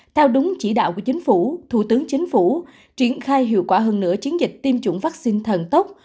theo đúng chỉ đạo của chính phủ thủ tướng chính phủ triển khai hiệu quả hơn nữa chiến dịch tiêm chủng vaccine thần tốc